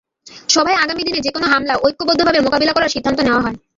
সভায় আগামী দিনে যেকোনো হামলা ঐক্যবদ্ধভাবে মোকাবিলা করার সিদ্ধান্ত নেওয়া হয়।